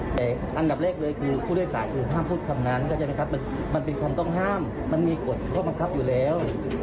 แต่อันดับเลขเลยคือคุณโดยสารคือห้ามพูดคำนั้นมันเป็นคำต้องห้ามมันมีกฎควบคับอยู่แล้ว